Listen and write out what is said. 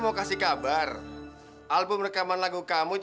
agak dapet kegiatan budi